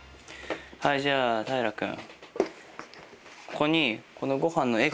はいじゃあ大樂君。